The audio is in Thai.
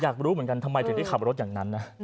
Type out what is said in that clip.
อยากรู้เหมือนกันทำไมถึงได้ขับรถอย่างนั้นนะ